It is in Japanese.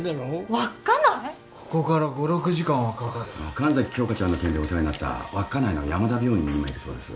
神崎鏡花ちゃんの件でお世話になった稚内の山田病院に今いるそうです。